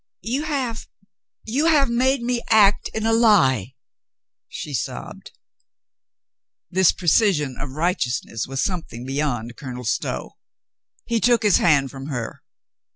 "You have — you have made me act in a lie," she sobbed. This precision of righteousness was something be yond Colonel Stow. He took his hand from her.